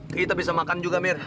kita bisa makan juga mir